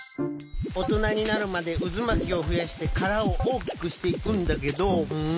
おとなになるまでうずまきをふやしてからをおおきくしていくんだけど。